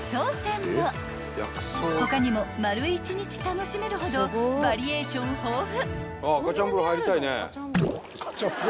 ［他にも丸１日楽しめるほどバリエーション豊富］